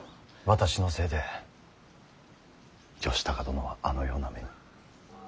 私のせいで義高殿はあのような目に。